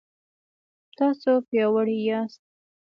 تاسو پیاوړي یاست